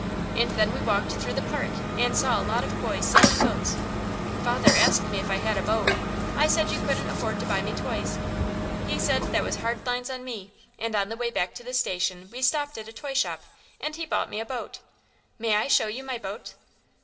And then we walked through the park and saw a lot of boys sailing boats. Father asked me if I had a boat. I said you couldn't afford to buy me toys. He said that was hard lines on me, and on the way back to the station we stopped at a toy shop and he bought me a boat. May I show you my boat?"